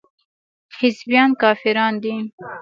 حزبيان کافران دي.